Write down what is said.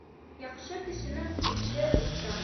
Яҡшы кешенең эше уртаҡ.